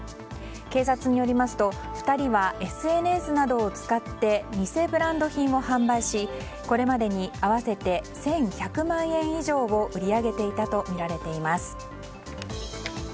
警察によりますと２人は、ＳＮＳなどを使って偽ブランド品を販売しこれまでに合わせて１１００万円以上を売り上げていたとみられています。